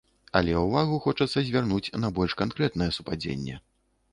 Але ўвагу хочацца звярнуць на больш канкрэтнае супадзенне.